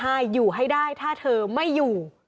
บอกฉันอย่าร้องไห้อยู่ให้ได้ถ้าเธอไม่อยู่